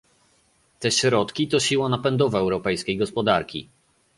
Te środki to siła napędowa europejskiej gospodarki